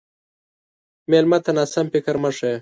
مېلمه ته ناسم فکر مه ښیه.